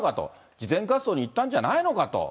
慈善活動に行ったんじゃないのかと。